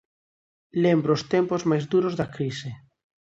Lembro os tempos máis duros da crise.